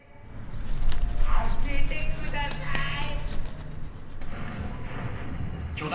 開けてください